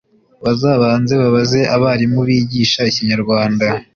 Bazabanze babaze abarimu bigisha ikinyarwanda